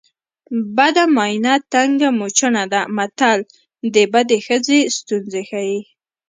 بده ماینه تنګه موچڼه ده متل د بدې ښځې ستونزې ښيي